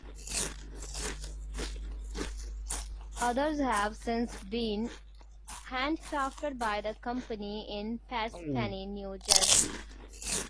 Others have since been handcrafted by the company in Parsippany, New Jersey.